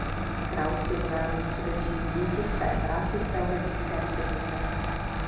Krauss je známý především díky své práci v teoretické fyzice.